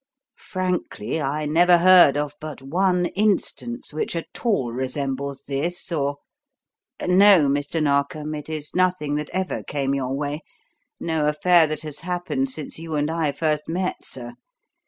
Frankly, I never heard of but one instance which at all resembles this or No, Mr. Narkom, it is nothing that ever came your way, no affair that has happened since you and I first met, sir.